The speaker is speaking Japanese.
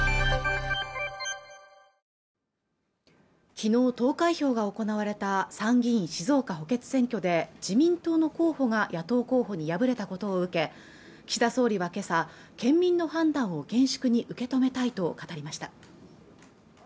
昨日投開票が行われた参議院静岡補欠選挙で自民党の候補が野党候補に敗れたことを受け岸田総理は今朝県民の判断を厳粛に受け止めたいと語りました